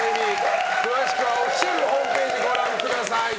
詳しくはオフィシャルホームページをご覧ください。